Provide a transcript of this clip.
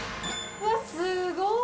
うわっ、すごい。